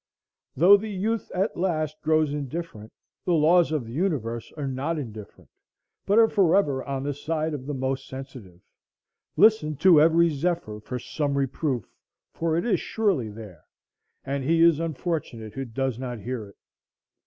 Though the youth at last grows indifferent, the laws of the universe are not indifferent, but are forever on the side of the most sensitive. Listen to every zephyr for some reproof, for it is surely there, and he is unfortunate who does not hear it.